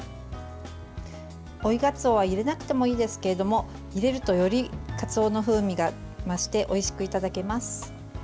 追いがつおは入れなくてもいいですけれども入れるとよりかつおの風味が増しておいしくいただけます。